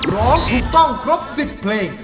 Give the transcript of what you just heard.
ร้องถูกต้องครบ๑๐เพลง